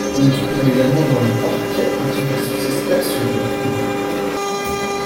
On trouve également dans le parc diverses espèces de primates.